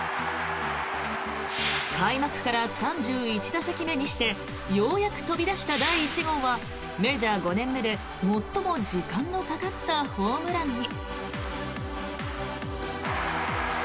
開幕から３１打席目にしてようやく飛び出した第１号はメジャー５年目で最も時間のかかったホームランに。